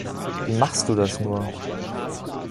Wie machst du das nur?